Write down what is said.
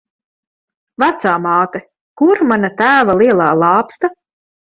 Vecāmāte, kur mana tēva lielā lāpsta?